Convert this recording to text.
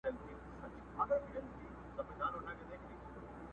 وازه خوله د مرګ راتللو ته تیار سو،